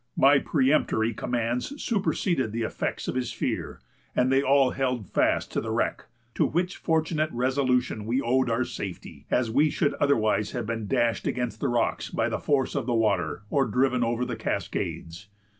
My peremptory commands superseded the effects of his fear, and they all held fast to the wreck; to which fortunate resolution we owed our safety, as we should otherwise have been dashed against the rocks by the force of the water, or driven over the cascades.